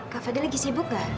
kak fadil lagi sibuk nggak